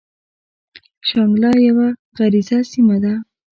شانګله يوه غريزه سيمه ده ـ